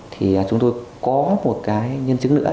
thì chúng tôi có một cái nhân chứng nữa